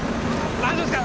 大丈夫ですか？